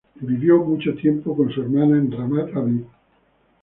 Vivió mucho tiempo con su hermana en Ramat Aviv.